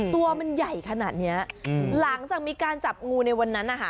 ตัวมันใหญ่ขนาดนี้หลังจากมีการจับงูในวันนั้นนะคะ